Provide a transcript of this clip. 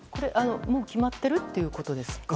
もう決まっているということですか？